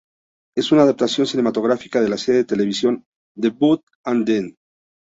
Es una adaptación cinematográfica de la serie de televisión "The Booth at the End".